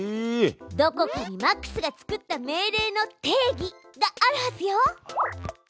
どこかにマックスが作った命令の「定義」があるはずよ！